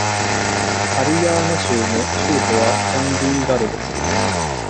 ハリヤーナー州の州都はチャンディーガルである